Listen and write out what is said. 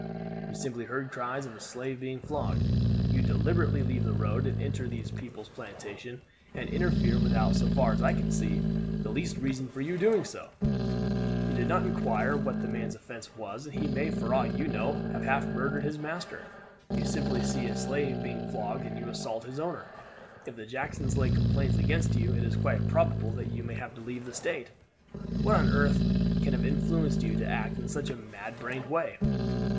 You simply heard cries of a slave being flogged. You deliberately leave the road and enter these people's plantation and interfere without, so far as I can see, the least reason for doing so. You did not inquire what the man's offense was; and he may for aught you know have half murdered his master. You simply see a slave being flogged and you assault his owner. If the Jacksons lay complaints against you it is quite probable that you may have to leave the state. What on earth can have influenced you to act in such a mad brained way?"